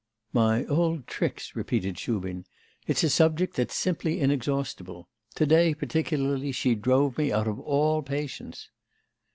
'My old tricks!' repeated Shubin. 'It's a subject that's simply inexhaustible! To day, particularly, she drove me out of all patience.